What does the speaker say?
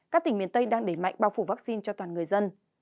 các tỉnh miền tây đang đẩy mạnh bao phủ vaccine cho toàn người dân